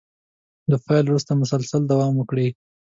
له پيل وروسته مسلسل دوام وکړي.